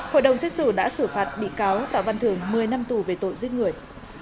hội đồng xét xử đã xử phạt bị cáo tạ văn thường một mươi năm tù về tội giết người